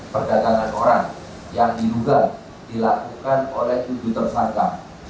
perjalanan orang yang dilakukan oleh tujuh tersangka